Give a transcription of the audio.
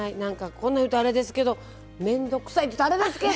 こんな言うとあれですけど面倒くさいって言ったらあれですけど！